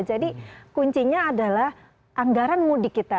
jadi kuncinya adalah anggaran mudik kita